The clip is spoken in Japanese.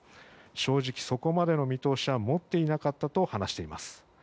正直、そこまでの見通しは持っていなかったと話しています。